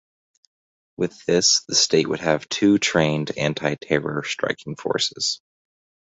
With this, the state would have two trained anti-terror striking forces.